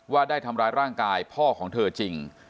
ว่าได้ทำร้ายร่างกายพ่อของเธอจริง